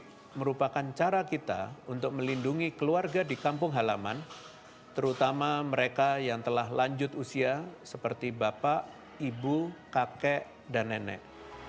ini merupakan cara kita untuk melindungi keluarga di kampung halaman terutama mereka yang telah lanjut usia seperti bapak ibu kakek dan nenek